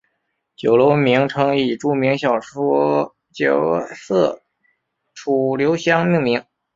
酒楼名称以著名小说角色楚留香命名。